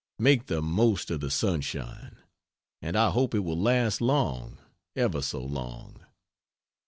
Make the most of the sunshine! and I hope it will last long ever so long.